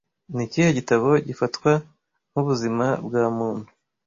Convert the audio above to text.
Nikihe gitabo gifatwa nkubuzima bwa muntu